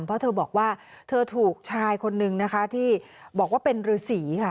เพราะเธอบอกว่าเธอถูกชายคนนึงนะคะที่บอกว่าเป็นฤษีค่ะ